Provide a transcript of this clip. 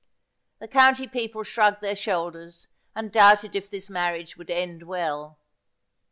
The county people shrugged their shoulders, and doubted if this marriage would end well.